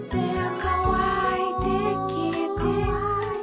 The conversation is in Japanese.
「かわいてきえて」